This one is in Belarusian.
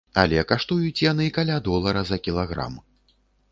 Але каштуюць яны каля долара за кілаграм.